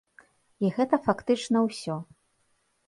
І гэта фактычна ўсё.